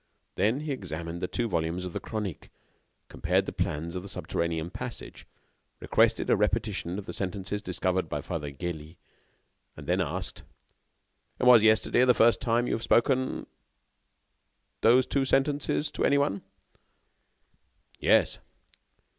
Then he examined the two volumes of the "Chronique," compared the plans of the subterranean passage, requested a repetition of the sentences discovered by Father Gélis, and then asked: "Was yesterday the first time you have spoken those two sentences to any one?" "Yes."